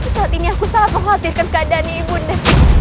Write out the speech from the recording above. saat ini aku salah menghapirkan keadaan ibu nda